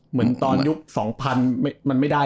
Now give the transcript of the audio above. เหมือนตอนยุค๒๐๐มันไม่ได้